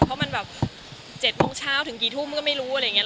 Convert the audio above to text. เพราะมันแบบ๗โมงเช้าถึงกี่ทุ่มก็ไม่รู้อะไรอย่างนี้